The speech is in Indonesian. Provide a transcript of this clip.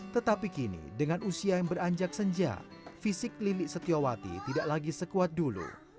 tetapi kini dengan usia yang beranjak senja fisik lilik setiawati tidak lagi sekuat dulu